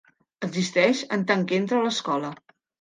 Existeix en tant que entra a l'escola.